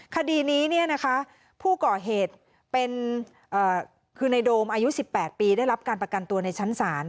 คดีนี้ผู้ก่อเหตุเป็นคือในโดมอายุ๑๘ปีได้รับการประกันตัวในชั้นศาล